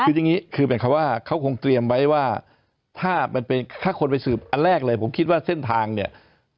คือจริงงี้คือเป็นคำว่าเขาคงเตรียมไว้ว่าถ้าคนไปสืบอันแรกเลยผมคิดว่าเส้นทางเนี่ย